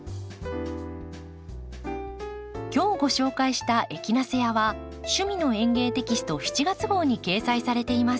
今日ご紹介した「エキナセア」は「趣味の園芸」テキスト７月号に掲載されています。